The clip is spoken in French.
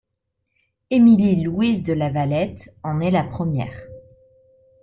Emilie Louise de la Valette en est la première.